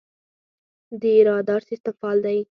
د رادار سیستم فعال دی؟